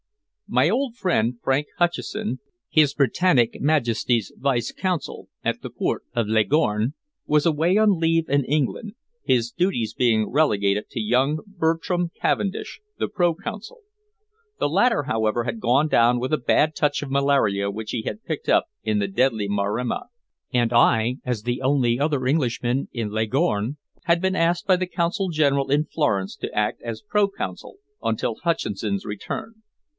My old friend Frank Hutcheson, His Britannic Majesty's Vice Consul at the port of Leghorn, was away on leave in England, his duties being relegated to young Bertram Cavendish, the pro Consul. The latter, however, had gone down with a bad touch of malaria which he had picked up in the deadly Maremma, and I, as the only other Englishman in Leghorn, had been asked by the Consul General in Florence to act as pro Consul until Hutcheson's return.